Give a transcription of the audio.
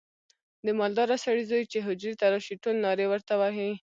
د مالداره سړي زوی چې حجرې ته راشي ټول نارې ورته وهي.